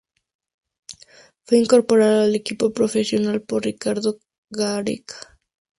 Fue incorporado al equipo profesional por Ricardo Gareca.